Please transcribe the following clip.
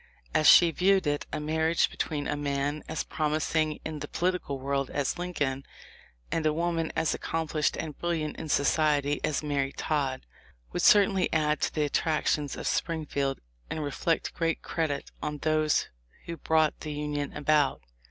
As she viewed it. a marriage between a man as promising in the political world as Lincoln, and a woman as accomplished and brilliant in society as Mary Todd, would certainly add to the attractions of Spring field and reflect great credit on those who brought the union about.